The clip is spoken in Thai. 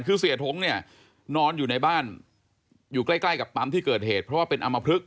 คือเสียท้งเนี่ยนอนอยู่ในบ้านอยู่ใกล้ใกล้กับปั๊มที่เกิดเหตุเพราะว่าเป็นอำมพลึก